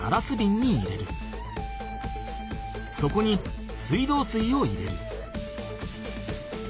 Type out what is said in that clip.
そこに水道水を入れる。